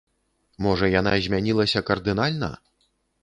Можа, яна змянілася кардынальна?